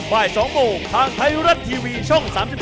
บ่าย๒โมงทางไทยรัฐทีวีช่อง๓๒